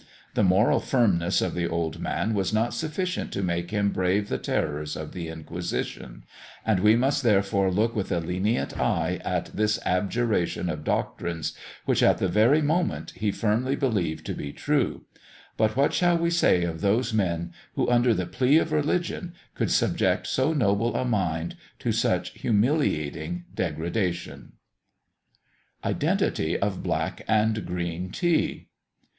The moral firmness of the old man was not sufficient to make him brave the terrors of the Inquisition, and we must therefore look with a lenient eye at this abjuration of doctrines which at the very moment he firmly believed to be true: but what shall we say of those men, who, under the plea of religion, could subject so noble a mind to such humiliating degradation! IDENTITY OF BLACK AND GREEN TEA.